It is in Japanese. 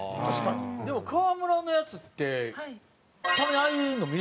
でも川村のやつってたまにああいうの見るじゃないですか。